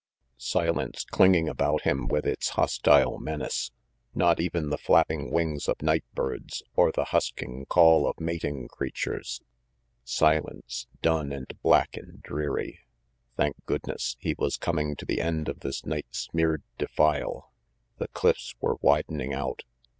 Silence clinging about him with its hostile menace! Not even the flapping wings of night birds, or the husking call of mating creatures. Silence, dun, and black and dreary! Thank goodness, he was coming to the end of this night smeared defile. The cliffs were widening out.